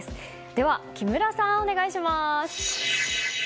では木村さん、お願いします。